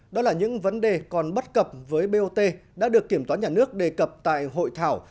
đó là những vấn đề còn bất cập với bot đã được kiểm toán nhà nước đề cập tại hội thảo